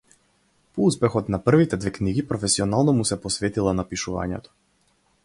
По успехот на првите две книги професионално му се посветила на пишувањето.